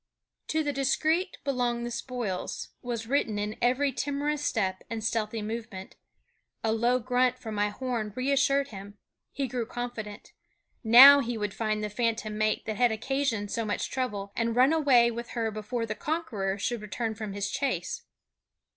"To the discreet belong the spoils" was written in every timorous step and stealthy movement. A low grunt from my horn reassured him; he grew confident. Now he would find the phantom mate that had occasioned so much trouble, and run away with her before the conqueror should return from his chase.